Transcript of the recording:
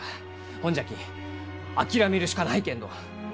ほんじゃき諦めるしかないけんど！